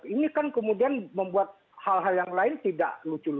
ini kan kemudian membuat hal hal yang lain tidak